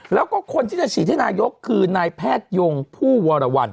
แล้วก็คนที่จะฉีดให้นายกคือนายแพทยงผู้วรวรรณ